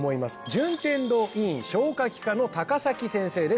順天堂医院消化器科の先生です